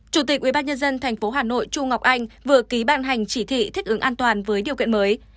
chủ tịch ubnd tp hà nội chu ngọc anh vừa ký ban hành chỉ thị thích ứng an toàn với điều kiện mới